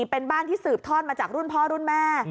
เป็นบ้านที่สืบทอดมาจากรุ่นพ่อรุ่นแม่